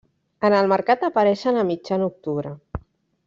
En el mercat apareixen a mitjan octubre.